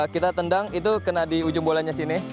kita tendang itu kena di ujung bolanya sini